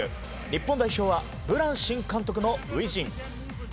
日本代表はブラン新監督の初陣。